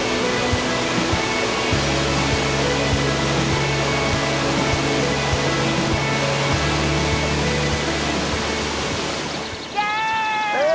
สดชื่นเลย